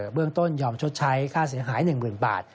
เบื้องต้นยอมชดใช้ค่าเสียหายหนึ่งหมื่นบาท